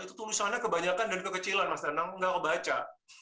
itu tulisannya kebanyakan dan kekecilan mas danang nggak ngebaca